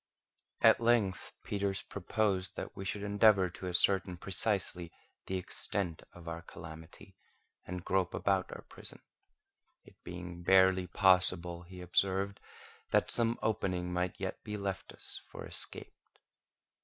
At length Peters proposed that we should endeavour to ascertain precisely the extent of our calamity, and grope about our prison; it being barely possible, he observed, that some opening might yet be left us for escape.